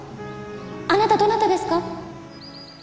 あなたどなたですか？